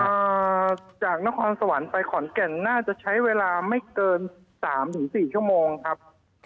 อ่าจากนครสวรรค์ไปขอนแก่นน่าจะใช้เวลาไม่เกินสามถึงสี่ชั่วโมงครับ